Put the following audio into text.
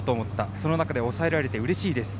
その中で抑えられてうれしいです。